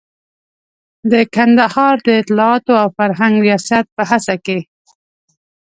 د کندهار د اطلاعاتو او فرهنګ ریاست په هڅه کې.